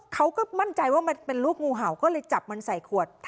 เขาก็มั่นใจว่ามันเป็นลูกงูเห่าก็เลยจับมันใส่ขวด